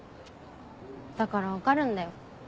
だから分かるんだよ。